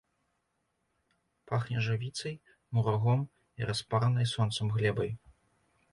Пахне жывіцай, мурагом і распаранай сонцам глебай.